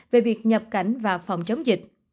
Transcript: về việc nhập cảnh và phòng chống dịch